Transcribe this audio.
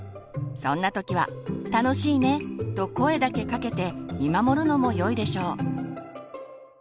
そんな時は「楽しいね」と声だけかけて見守るのもよいでしょう。